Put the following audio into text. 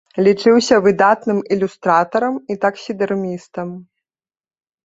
Лічыўся выдатным ілюстратарам і таксідэрмістам.